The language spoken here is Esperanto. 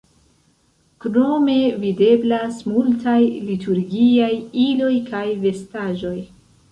Krome videblas multaj liturgiaj iloj kaj vestaĵoj.